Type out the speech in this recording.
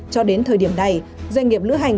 cho đến thời điểm này doanh nghiệp lưu hành